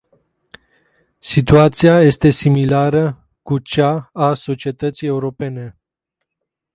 Situația este similară cu cea a societății europene.